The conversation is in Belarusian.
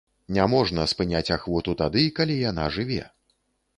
Не можна спыняць ахвоту тады, калі яна жыве.